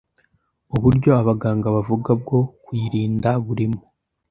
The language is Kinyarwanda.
Uburyo abaganga bavuga bwo kuyirinda burimo